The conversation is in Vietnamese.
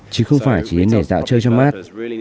chứ không phải chỉ đến để dạo chơi cho mắt